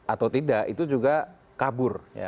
atau tidak itu juga kabur